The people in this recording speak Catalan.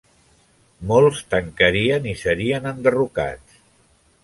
Molts tancarien i serien enderrocats.